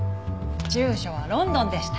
住所はロンドンでした。